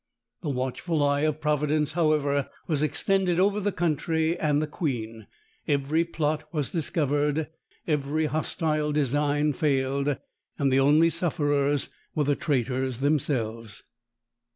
The watchful eye of providence, however, was extended over the country and the queen. Every plot was discovered; every hostile design failed; and the only sufferers were the traitors themselves.